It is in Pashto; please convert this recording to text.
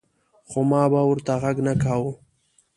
خو ما به ورته غږ نۀ کوۀ ـ